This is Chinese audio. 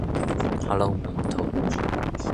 炭谷银仁朗。